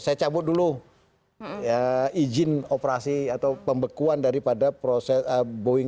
saya cabut dulu izin operasi atau pembekuan daripada proses boeing